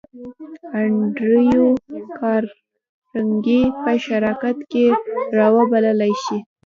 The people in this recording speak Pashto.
انډریو کارنګي به شراکت ته را وبللای شې